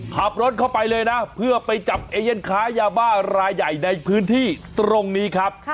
ขับรถเข้าไปเลยนะเพื่อไปจับเอเย่นค้ายาบ้ารายใหญ่ในพื้นที่ตรงนี้ครับ